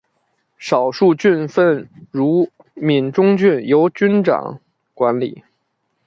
少数郡份如闽中郡由君长管理。